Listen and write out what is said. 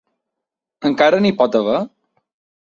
Encara n’hi pot haver?